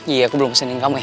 iya aku belum pesanin kamu ya